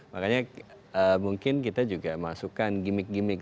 makanya mungkin kita juga masukkan gimmick gimmick